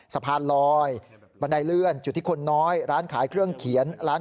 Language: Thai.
สะพานลอยบันไดเลื่อนจุดที่คนน้อยร้านขายเครื่องเขียนร้าน